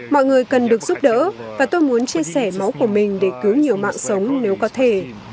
mọi người cần được giúp đỡ và tôi muốn chia sẻ máu của mình để cứu nhiều mạng sống nếu có thể